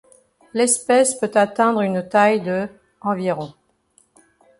L'espèce peut atteindre une taille de environ.